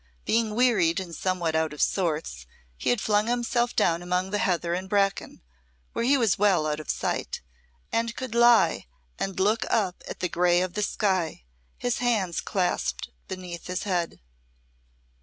Being wearied and somewhat out of sorts, he had flung himself down among the heather and bracken, where he was well out of sight, and could lie and look up at the gray of the sky, his hands clasped beneath his head.